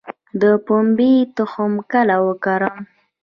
د پنبې تخم کله وکرم؟